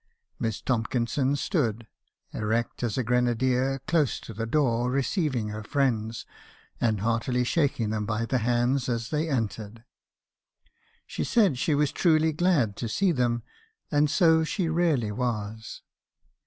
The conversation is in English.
Miss Tomkinson stood, erect as a grenadier, close to the door, receiving her friends, and heartily shaking them by the hands as they entered : she said she was truly glad to see them. And so she really was.